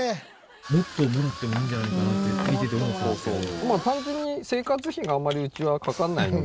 もっともらってもいいんじゃないかなって見てて思ったんですけど。